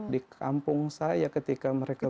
di kampung saya ketika mereka